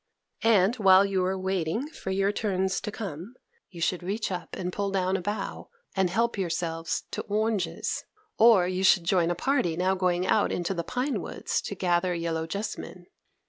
And, while you were waiting for your turns to come, you should reach up and pull down a bough, and help yourselves to oranges; or you should join a party now going out into the pine woods to gather yellow jessamine.